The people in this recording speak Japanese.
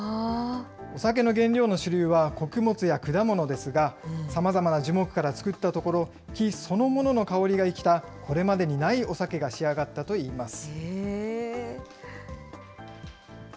お酒の原料の主流は穀物や果物ですが、さまざまな樹木から造ったところ、木そのものの香りが生きたこれまでにないお酒が仕上がったといいます。